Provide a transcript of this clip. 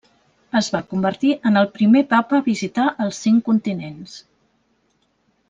Es va convertir en el primer Papa a visitar els cinc continents.